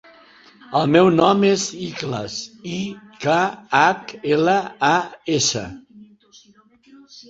El meu nom és Ikhlas: i, ca, hac, ela, a, essa.